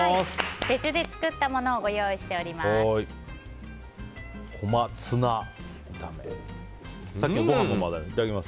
別で作ったものをご用意しています。